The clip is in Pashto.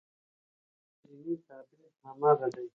مطلوب دیني تعبیر هماغه دی.